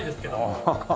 アハハハ。